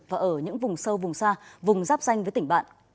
và ở những vùng sâu vùng xa vùng ráp xanh với tỉnh bạn